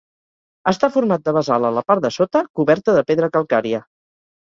Està format de basalt a la part de sota, coberta de pedra calcària.